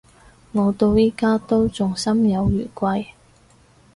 我到而家都仲心有餘悸